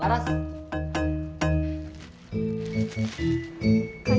lo ada projek bukan qirun gimana fatal